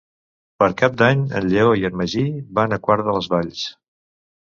Per Cap d'Any en Lleó i en Magí van a Quart de les Valls.